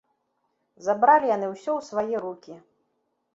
Забралі яны ўсё ў свае рукі.